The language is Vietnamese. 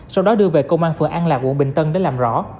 sau đó đưa về công an phường an lạc quận bình tân để làm rõ